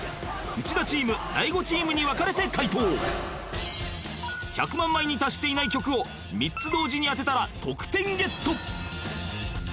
内田チーム大悟チームに分かれて解答１００万枚に達していない曲を３つ同時に当てたら得点ゲット！